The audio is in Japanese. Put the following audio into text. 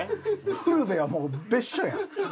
フルべはもう別所やん。